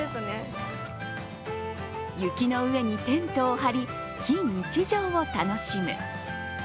雪の上にテントを張り、非日常を楽しむ。